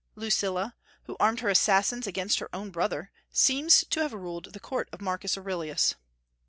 Lucilla, who armed her assassins against her own brother, seems to have ruled the court of Marcus Aurelius.